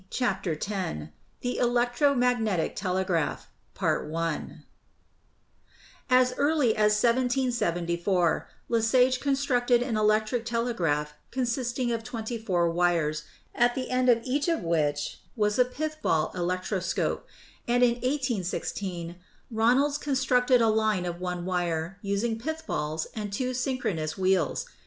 CHAPTER X THE ELECTRO MAGNETIC TELEGRAPH As early as 1774, Lesage constructed an electric tele graph consisting of twenty four wires, at the end of each of which was a pith ball electroscope; and in 1816 Ron alds constructed a line of one wire, using pith balls and two synchronous wheels.